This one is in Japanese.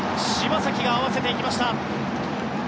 柴崎が合わせていきました。